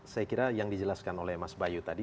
saya kira yang dijelaskan oleh mas bayu tadi